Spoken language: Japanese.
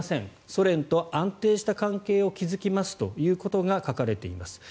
ソ連と安定した関係を築きますということが書かれています。